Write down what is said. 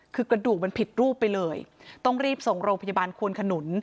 คือกระดูกมันผิดรูปไปเลยต้องรีบส่งโรงพยาบาลควนขนุน